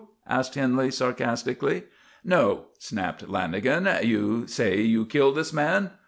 asked Henley sarcastically. "No," snapped Lanagan. "You say you killed this man.